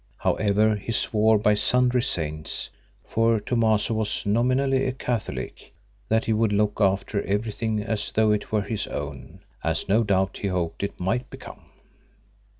However, he swore by sundry saints—for Thomaso was nominally a Catholic—that he would look after everything as though it were his own, as no doubt he hoped it might become.